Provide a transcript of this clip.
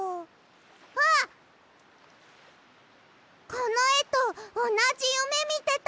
このえとおなじゆめみてた。